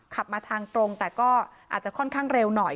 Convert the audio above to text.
ขับมาทางตรงแต่ก็อาจจะค่อนข้างเร็วหน่อย